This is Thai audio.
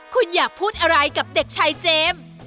คุณอยากพูดอะไรกับเด็กชายเจมส์